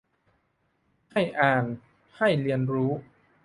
ให้อ่านให้เรียนรู้